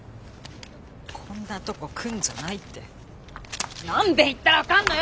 こんなとこ来んじゃないって何べん言ったら分かんのよ！